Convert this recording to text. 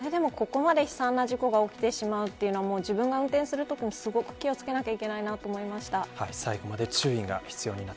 それでもここまで悲惨な事故が起きてしまうというのは自分が運転するときも、すごく気を付けないといけないと思いました。